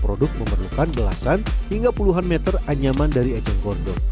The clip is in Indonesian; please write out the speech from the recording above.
oh terlalu kering